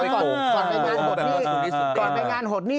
ก่อนไปงานหดนี้